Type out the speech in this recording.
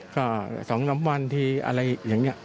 ก็สองสามวันทีอะไรอย่างเนี่ย